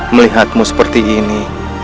melihatmu seperti ini